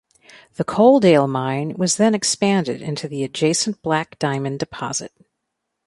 The Coaldale Mine was then expanded into the adjacent Black Diamond deposit.